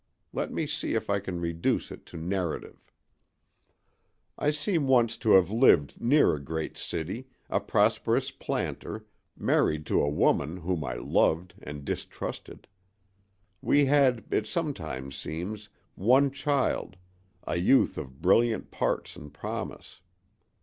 Let me see if I can reduce it to narrative. I seem once to have lived near a great city, a prosperous planter, married to a woman whom I loved and distrusted. We had, it sometimes seems, one child, a youth of brilliant parts and promise.